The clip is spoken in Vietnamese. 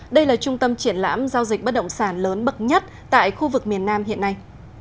đây là trung tâm triển lãm giao dịch bất động sản lớn bậc nhất tại khu vực miền nam hiện nay